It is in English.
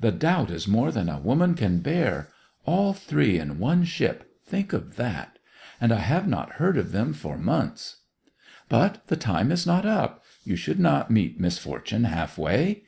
The doubt is more than a woman can bear. All three in one ship—think of that! And I have not heard of them for months!' 'But the time is not up. You should not meet misfortune half way.